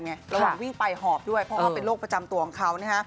ระหว่างวิ่งไปหอบด้วยเพราะว่าเป็นโรคประจำตัวของเขานะฮะ